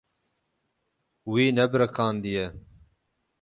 Wî nebiriqandiye.